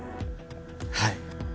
はい。